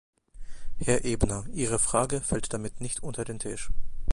Herr Ebner, Ihre Frage fällt damit nicht unter den Tisch.